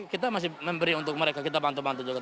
kita masih memberi untuk mereka kita bantu bantu juga